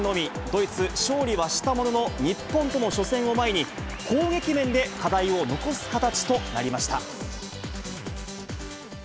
ドイツ勝利はしたものの日本との初戦を前に攻撃面で課題を残す形となりました。